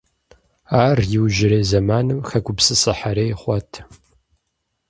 Ар иужьрей зэманым хэгупсысыхьрей хъуат.